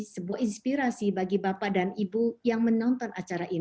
sebuah inspirasi bagi bapak dan ibu yang mencari pengetahuan tentang kesehatan